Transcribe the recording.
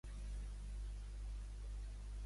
Vaig voler arribar a la seva taüt ficant-me sota terra.